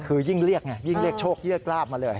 คือยิ่งเรียกไงยิ่งเรียกโชคเรียกลาบมาเลย